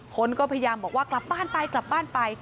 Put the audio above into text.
คนก็พยายามบอกว่ากลับบ้านไปกลับบ้านไป